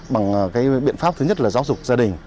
bằng cái biện pháp thứ nhất là giáo dục gia đình